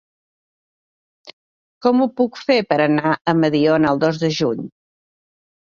Com ho puc fer per anar a Mediona el dos de juny?